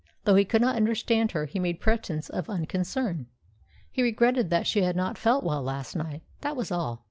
Though he could not understand her, he made pretence of unconcern. He regretted that she had not felt well last night that was all.